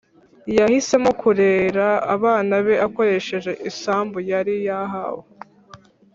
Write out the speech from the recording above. Yahisemo kurera abana be akoresheje isambu yari yahawe